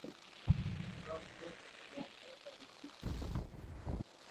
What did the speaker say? সূরা নূহ মক্কায় অবতীর্ণ হয়েছে।